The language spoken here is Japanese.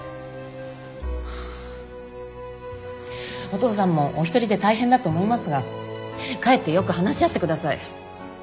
お父さんもお一人で大変だと思いますが帰ってよく話し合ってください。